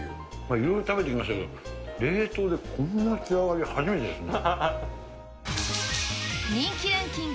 いろいろ食べてきましたけど、冷凍でこんな仕上がり初めてです人気ランキング